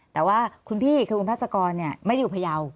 แต่ว่าคุณพี่คือคุณพัศกรไม่ได้อยู่พยาว